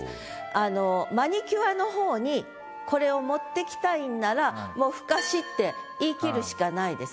あのマニキュアの方にこれを持ってきたいんならもう「深し」って言い切るしかないですね。